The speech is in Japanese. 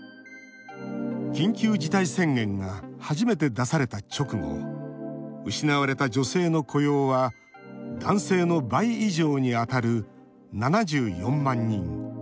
緊急事態宣言が初めて出された直後失われた女性の雇用は男性の倍以上にあたる７４万人。